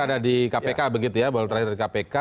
ada di kpk begitu ya bola terakhir di kpk